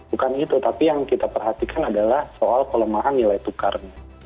bukan itu tapi yang kita perhatikan adalah soal pelemahan nilai tukarnya